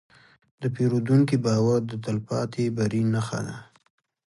د پیرودونکي باور د تلپاتې بری نښه ده.